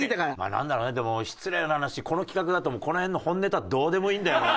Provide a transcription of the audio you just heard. なんだろうねでも失礼な話この企画だとこの辺の本ネタどうでもいいんだよね。